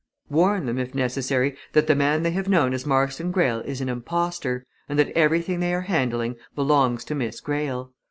"Warn them, if necessary, that the man they have known as Marston Greyle is an impostor, and that everything they are handling belongs to Miss Greyle.